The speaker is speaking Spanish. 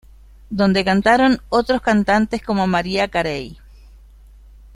Donde cantaron otros cantantes como Mariah Carey.